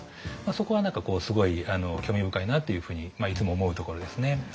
そこは何かすごい興味深いなっていうふうにいつも思うところですね。